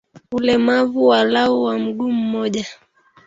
Ulemavu walau wa mguu mmoja